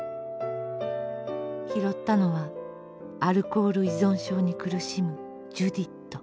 拾ったのはアルコール依存症に苦しむジュディット。